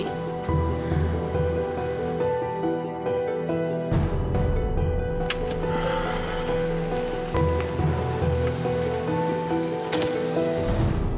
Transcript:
yang anaknya mama itu siapa sih